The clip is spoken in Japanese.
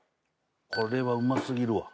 これはうま過ぎるわ。